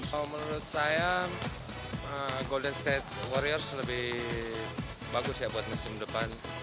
kalau menurut saya golden state warriors lebih bagus ya buat musim depan